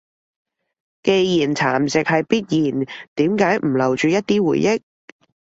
既然蠶蝕係必然，點解唔留住一啲回憶？